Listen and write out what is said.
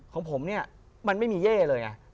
ของผมเนี่ยมันไม่มีเย่เลยไง